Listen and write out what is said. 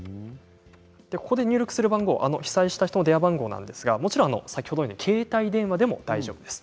ここで入力する番号、被災した人の電話番号ですが先ほどのように携帯電話でも大丈夫です。